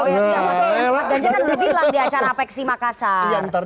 mas ganjar kan udah bilang di acara apeksi makassar